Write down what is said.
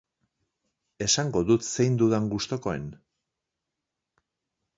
Esango dut zein dudan gustukoen.